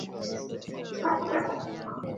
Ameishi maisha ya kupewa sifa.